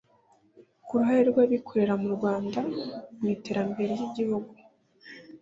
ku ruhare rw’abikorera mu Rwanda mu iterambere ry’igihugu